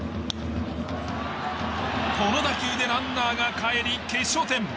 この打球でランナーがかえり決勝点。